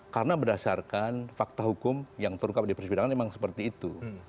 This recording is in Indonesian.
karena berdasarkan fakta hukum yang terungkap di persidangan memang seperti itu